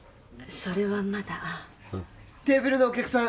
それはまだうんテーブルのお客さん